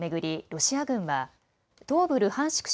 ロシア軍は東部ルハンシク